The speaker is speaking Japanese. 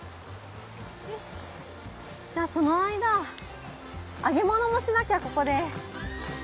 よしじゃあその間揚げ物もしなきゃここで。